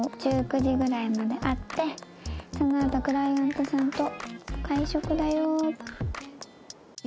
１９時ぐらいまであってそのあとクライアントさんと会食だよ。